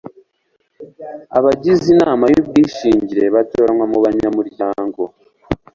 abagize inama y'ubwishingire batoranywa mu banyamuryango